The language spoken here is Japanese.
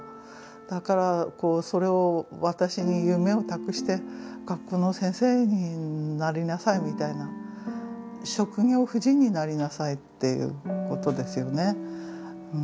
だからそれを私に夢を託して学校の先生になりなさいみたいな職業婦人になりなさいっていうことですよね。